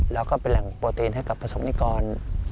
แล้วก็เป็นแหล่งโปรตีนให้กับประสงค์นิกร